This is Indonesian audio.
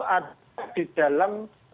ada di dalam